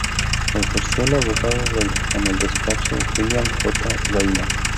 Ejerció de abogado en el despacho de William J. Gaynor.